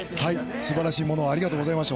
素晴らしいものを今日はありがとうございました。